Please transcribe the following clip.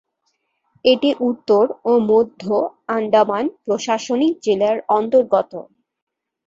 এটি উত্তর ও মধ্য আন্দামান প্রশাসনিক জেলার অন্তর্গত।